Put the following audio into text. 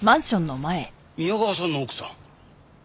宮川さんの奥さん？